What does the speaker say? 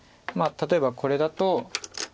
例えばこれだと。